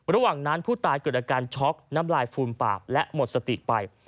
ระหว่างนั้นผู้ตายเกิดอาการช็อกน้ำลายฟูมปากและหมดสติไป